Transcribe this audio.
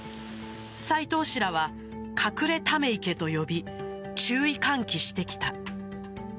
斎藤氏らは、隠れため池と呼び注意喚起してきた。